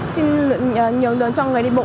xin nhường đường cho người đi bộ